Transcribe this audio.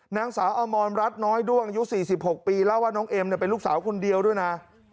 นางสาวอมรรัฐน้อยด้วงอายุ๔๖ปีเล่าว่าน้องเอ็มเป็นลูกสาวคนเดียวด้วยนะ